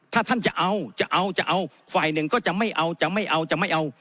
ถ้าท่านจะเอาจะเอาจะเอาฝ่ายหนึ่งก็จะไม่เอาจะไม่เอาจะไม่เอา